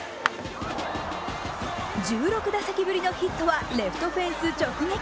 １６打席ぶりのヒットはレフトフェンス直撃。